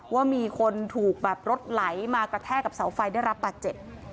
ว่ามีคนถูกแบบรถไหลมากระแทกกับเสาไฟได้รับบาดเจ็บ